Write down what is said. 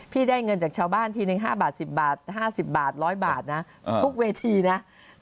ได้เงินจากชาวบ้านทีนึง๕บาท๑๐บาท๕๐บาท๑๐๐บาทนะทุกเวทีนะ